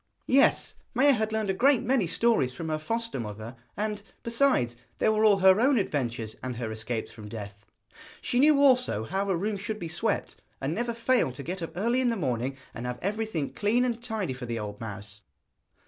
Yes, Maia had learned a great many stories from her foster mother, and, besides, there were all her own adventures, and her escapes from death. She knew also how a room should be swept, and never failed to get up early in the morning and have everything clean and tidy for the old mouse.